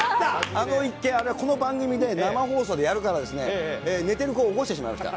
あの一件、この番組で生放送でやるからですね、寝てる子を起こしてしまいました。